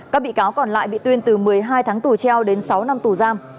các bị cáo còn lại bị tuyên từ một mươi hai tháng tù treo đến sáu năm tù giam